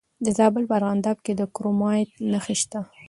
د زابل په ارغنداب کې د کرومایټ نښې شته.